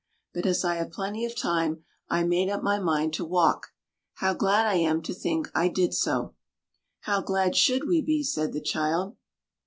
But as I have plenty of time, I made up my mind to walk. How glad I am to think I did so!" "How glad should we be!" said the child.